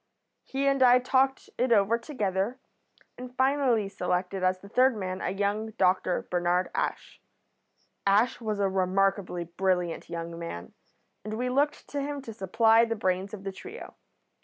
He and I talked it over together, and finally selected as the third man a young doctor, Bernard Ash. Ash was a remarkably brilliant young man, and we looked to him to supply the brains of the trio.